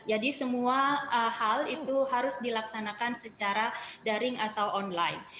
jadi semua hal itu harus dilaksanakan secara daring atau online